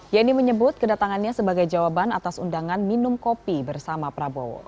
yeni menyebut kedatangannya sebagai jawaban atas undangan minum kopi bersama prabowo